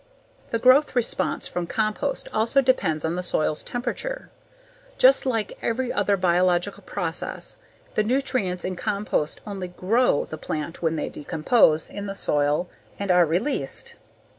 The growth response from compost also depends on the soil's temperature. Just like every other biological process, the nutrients in compost only GROW the plant when they decompose in the soil and are released.